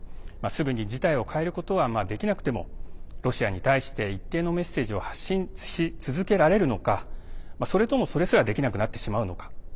すぐに事態を変えることはできなくてもロシアに対して一定のメッセージを発信し続けられるのかそれとも、それすらできなくなってしまうのか。